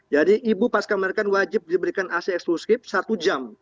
jadi ibu pas keamerkan wajib diberikan ac eksklusif satu jam